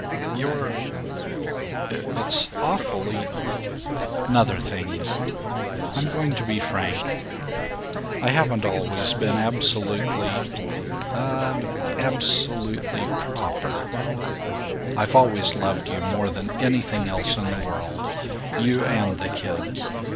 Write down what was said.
"You're It's awfully " "'Nother thing. I'm going to be frank. I haven't always been absolutely, uh, absolutely, proper. I've always loved you more than anything else in the world, you and the kid.